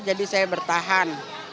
jadi saya bertahan